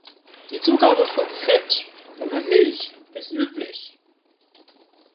Die Zugabe von Fett oder Milch ist üblich.